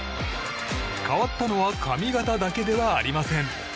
変わったのは髪形だけではありません。